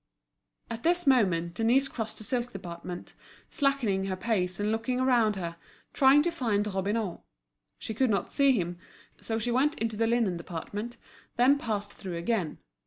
At this moment Denise crossed the silk department, slackening her pace and looking around her, trying to find Robineau. She could not see him, so she went into the linen department, then passed through again.